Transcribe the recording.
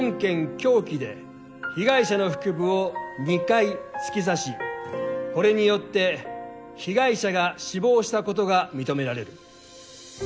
凶器で被害者の腹部を２回突き刺しこれによって被害者が死亡したことが認められる。